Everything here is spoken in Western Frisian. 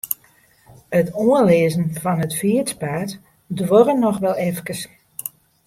It oanlizzen fan it fytspaad duorre noch wol efkes.